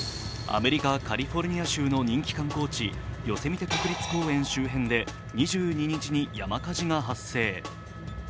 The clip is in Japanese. アメリカ・カリフォルニア州の人気観光地、ヨセミテ国立公園周辺で２２日に山火事が発生。